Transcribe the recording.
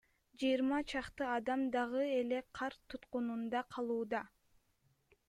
Жыйырма чакты адам дагы эле кар туткунунда калууда.